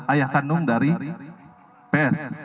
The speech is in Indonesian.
ayah kandung dari ps